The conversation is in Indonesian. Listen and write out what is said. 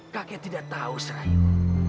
kakek tidak tahu serayu